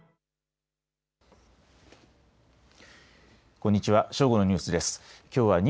こんにちは。